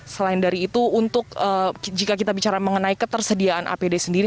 selain dari itu untuk jika kita bicara mengenai ketersediaan apd sendiri